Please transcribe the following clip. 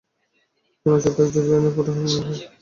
কোন ছত্রাক থেকে জিবেরেলিন ফাইটোহরমোন পাওয়া যায়?